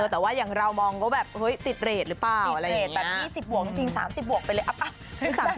แต่ว่าอย่างเรามองที่ศิลปะจริง๓๐บวกไปครับ